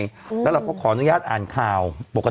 สิบเก้าชั่วโมงไปสิบเก้าชั่วโมงไปสิบเก้าชั่วโมงไป